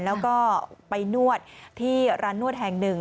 แล้วก็ไปนวดที่ร้านนวดแห่งหนึ่ง